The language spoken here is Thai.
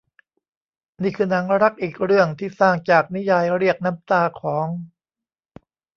นี่คือหนังรักอีกเรื่องที่สร้างจากนิยายเรียกน้ำตาของ